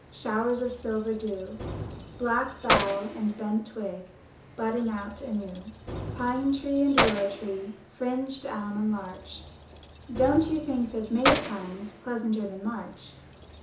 Showers of silver dew, Black bough and bent twig Budding out anew; Pine tree and willow tree, Fringed elm and larch, — Don't you think that May time's Pleasanter than March?